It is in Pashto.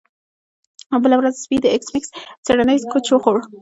بله ورځ سپي د ایس میکس څیړنیز کوچ وخوړ